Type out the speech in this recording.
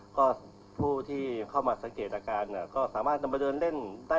ก็ผู้ที่เข้ามาสังเกตอาการก็สามารถจะมาเดินเล่นได้